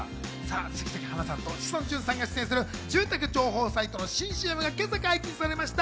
杉咲花さんと志尊淳さんが出演する住宅情報サイトの新ＣＭが今朝解禁されました。